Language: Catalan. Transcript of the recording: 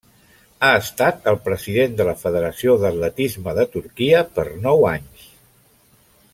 Ha estat el president de la Federació de l'Atletisme de Turquia per nou anys.